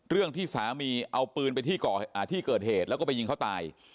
เรื่องที่สามีเอาปืนไปที่เกิดเหตุแล้วก็ไปยิงเขาตาย